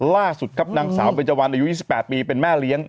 ล่าสุดครับนางสาวเบนเจวันอายุ๒๘ปีเป็นแม่เลี้ยง